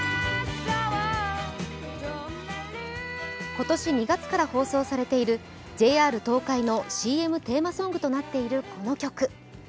今年２月から放送されているＪＲ東海のＣＭテーマソングとなっているこの曲。